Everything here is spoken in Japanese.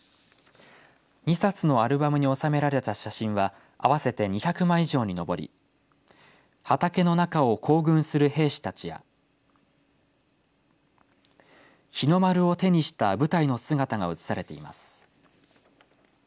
２冊のアルバムに収められた写真は合わせて２００枚以上に上り畑の中を行軍する兵士たちや日の丸を手にした部隊の姿が写されています。